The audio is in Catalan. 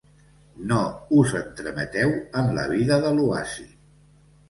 No us entremeteu en la vida de l'oasi.